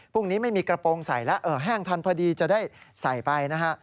ไม่มีกระโปรงใส่แล้วแห้งทันพอดีจะได้ใส่ไปนะฮะ